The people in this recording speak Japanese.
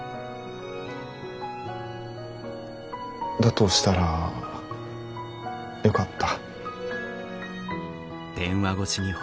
だとしたらよかった。